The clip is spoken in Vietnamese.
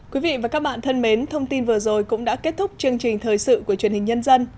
quý vị và các bạn thân mến thông tin vừa rồi cũng đã kết thúc chương trình thời sự của truyền hình nhân dân